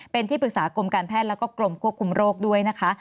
เป็นที่ปรึกษากรมการแพทย์แล้วก็กรมควบคุมโรคด้วยนะคะ